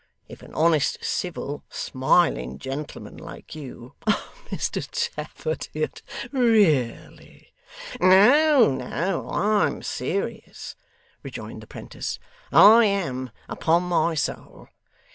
If an honest, civil, smiling gentleman like you ' 'Mr Tappertit really ' 'No, no, I'm serious,' rejoined the 'prentice, 'I am, upon my soul.